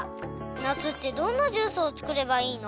「夏ってどんなジュースを作ればいいの？」